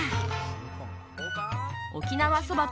沖縄そば。